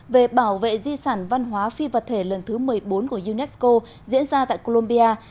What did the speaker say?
về bảo vệ di sản văn hóa phi vật thể lần thứ một mươi bốn của unesco diễn ra tại colombia